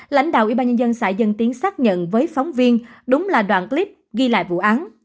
lãnh đạo ủy ban nhân dân xã dân tiến xác nhận với phóng viên đúng là đoạn clip ghi lại vụ án